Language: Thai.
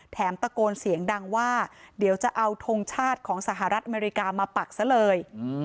ตะโกนเสียงดังว่าเดี๋ยวจะเอาทงชาติของสหรัฐอเมริกามาปักซะเลย